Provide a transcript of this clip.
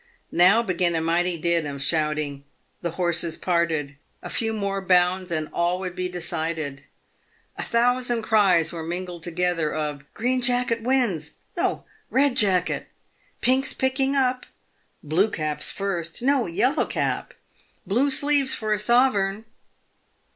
Now began a mighty din of shouting. The horses parted. A few more bounds and all would be decided. A thousand cries were min gled together, of "Green Jacket wins!" "No! Bed Jacket!" " Pink's picking up !"" Blue Cap's first !"" No ! Yellow Cap !"" Blue Sleeves for a sovereign